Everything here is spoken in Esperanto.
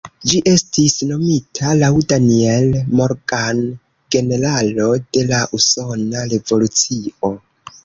Ĝi estis nomita laŭ Daniel Morgan, generalo de la Usona Revolucio.